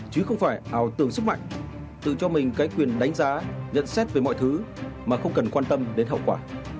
chứ không phải ảo tưởng sức mạnh tự cho mình cái quyền đánh giá nhận xét về mọi thứ mà không cần quan tâm đến hậu quả